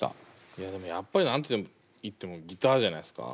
いやでもやっぱり何て言ってもギターじゃないですか？